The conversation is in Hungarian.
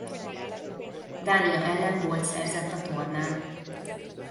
Dánia ellen gólt szerzett a tornán.